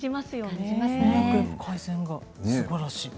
すばらしい。